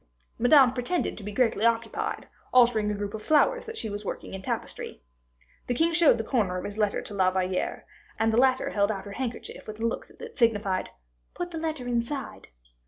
Madame pretended to be greatly occupied, altering a group of flowers that she was working in tapestry. The king showed the corner of his letter to La Valliere, and the latter held out her handkerchief with a look that signified, "Put the letter inside."